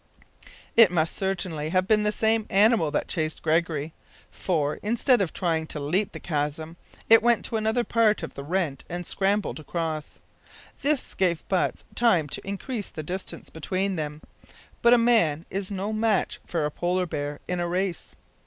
It must certainly have been the same animal that chased Gregory, for, instead of trying to leap the chasm, it went to another part of the rent and scrambled across. This gave Butts time to increase the distance between them, but a man is no match for a polar bear in a race.